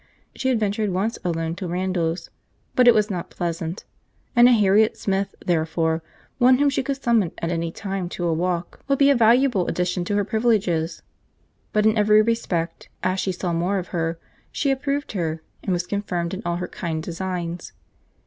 She had ventured once alone to Randalls, but it was not pleasant; and a Harriet Smith, therefore, one whom she could summon at any time to a walk, would be a valuable addition to her privileges. But in every respect, as she saw more of her, she approved her, and was confirmed in all her kind designs.